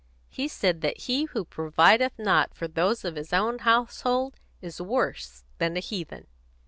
He says that he who provideth not for those of his own household is worse than a heathen.